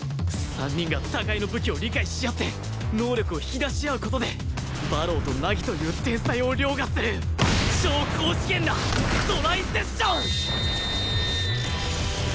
３人が互いの武器を理解し合って能力を引き出し合う事で馬狼と凪という天才を凌駕する超高次元なトライ・セッション！